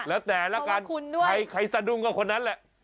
แล้วแต่ละกันใครสะดุ้งก็คนนั้นแหละ